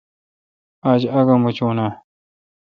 آج آگہ مُچہ آ؟